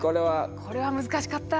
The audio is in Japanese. これは難しかった。